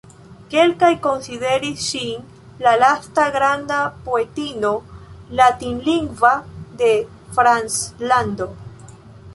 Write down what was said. Kelkaj konsideris ŝin la lasta granda poetino latinlingva de Franclando.